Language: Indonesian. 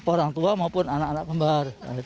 orang tua maupun anak anak pembar